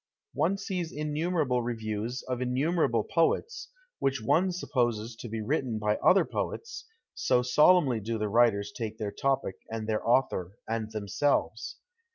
One sees innumerable reviews of innumerable poets, which one supposes to l)e written by other poets, so solemnly do the writers take their topic and their author and themselves.